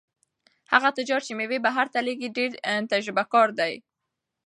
هغه تجار چې مېوې بهر ته لېږي ډېر تجربه کار دی.